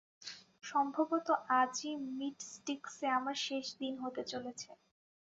সম্ভবত আজই মীট স্টিক্সে আমার শেষ দিন হতে চলেছে।